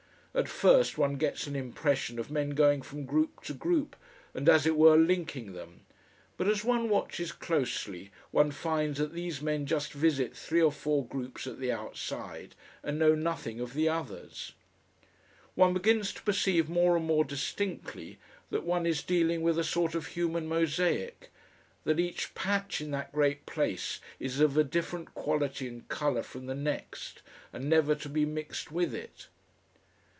At first one gets an impression of men going from group to group and as it were linking them, but as one watches closely one finds that these men just visit three or four groups at the outside, and know nothing of the others. One begins to perceive more and more distinctly that one is dealing with a sort of human mosaic; that each patch in that great place is of a different quality and colour from the next and never to be mixed with it.